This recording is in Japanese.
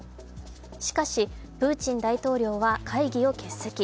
しかしプーチン大統領は会議を欠席。